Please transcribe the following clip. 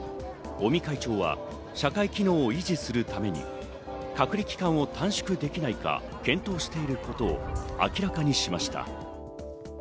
尾身会長は社会機能を維持するために隔離期間を短縮できないか検討していることを明らかにしました。